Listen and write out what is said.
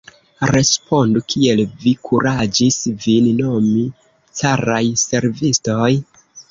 Respondu, kiel vi kuraĝis vin nomi caraj servistoj?